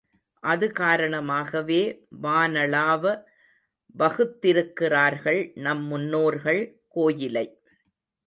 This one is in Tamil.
அது காரணமாகவே வானளாவ வகுத்திருக்கிறார்கள் நம் முன்னோர்கள் கோயிலை.